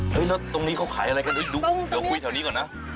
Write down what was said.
แล้วตรงนี้เขาขายอะไรกันเดี๋ยวคุยแถวนี้ก่อนนะ